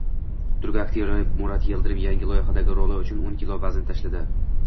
Turk aktyori Murat Yildirim yangi loyihadagi roli uchuno´nkilo vazn tashladi